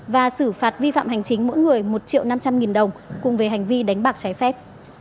và xử phạt vi phạm hành chính mỗi người một triệu năm trăm linh nghìn đồng cùng về hành vi đánh bạc trái phép